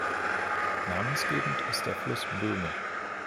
Namensgebend ist der Fluss Böhme.